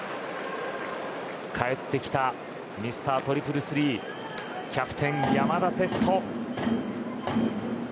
帰ってきたミスタートリプルスリーキャプテン山田哲人。